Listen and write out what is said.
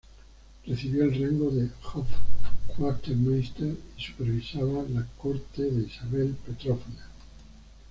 Recibió el rango de hof-quartermeister, y supervisaba la corte de Isabel Petrovna.